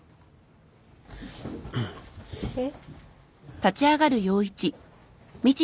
えっ？